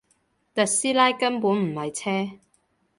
特斯拉根本唔係車